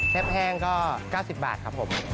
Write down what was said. แห้งก็๙๐บาทครับผม